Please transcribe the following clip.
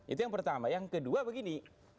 itu yang pertama yang kedua begini